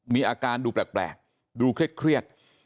มีอาการดูแปลกดูเครียด